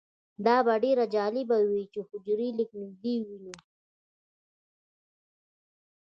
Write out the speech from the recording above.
دا به ډیره جالبه وي چې حجرې له نږدې ووینو